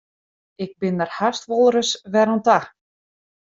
Ik bin der hast wolris wer oan ta.